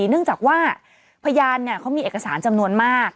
เนื่องจากว่าพยานเขามีเอกสารจำนวนมาก